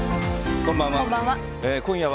こんばんは。